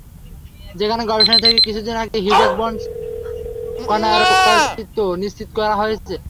যেখানের গবেষণা থেকে কিছুদিন আগে হিগস-বোসন কণার অস্তিত্ব নিশ্চিত করা হয়েছে।